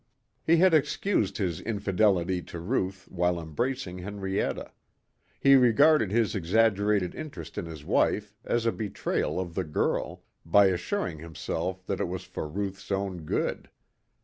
He had excused his infidelity to Ruth while embracing Henrietta he regarded his exaggerated interest in his wife as a betrayal of the girl by assuring himself that it was for Ruth's own good.